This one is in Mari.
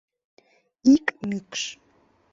Ик мӱкш.